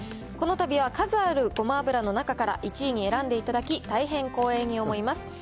このたびは数あるごま油の中から、１位に選んでいただき、大変光栄に思います。